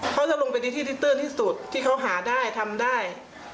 เขาจะลงไปในที่ดินเตอร์ที่สุดที่เขาหาได้ทำได้